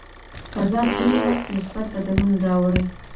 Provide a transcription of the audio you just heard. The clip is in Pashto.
تضاد ځینې وخت مثبت بدلون راوړي.